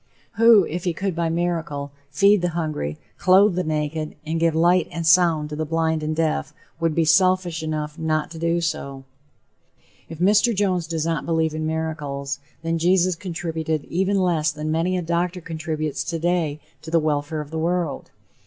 Who, if he could by miracle feed the hungry, clothe the naked and give light and sound to the blind and deaf, would be selfish enough not to do so? If Mr. Jones does not believe in miracles, then Jesus contributed even less than many a doctor contributes today to the welfare of the world.